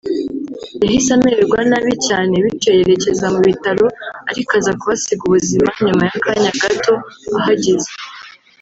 yahise amererwa nabi cyane bityo yerekeza mu bitaro ariko aza kuhasiga ubuzima nyuma y’akanya gato ahageze